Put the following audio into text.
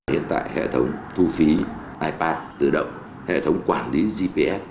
hiện tại hệ thống thu phí ipad tự động hệ thống quản lý gps